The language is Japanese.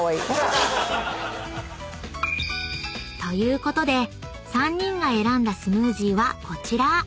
［ということで３人が選んだスムージーはこちら］